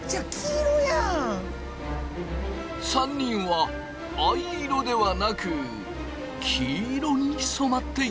３人は藍色ではなく黄色に染まっていた！